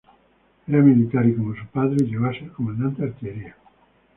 Era militar, como su padre y llegó a ser comandante de Artillería.